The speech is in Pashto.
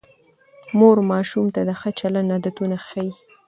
مور ماشومانو ته د ښه چلند عادتونه ښيي